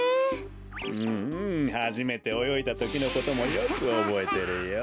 うんうんはじめておよいだときのこともよくおぼえてるよ。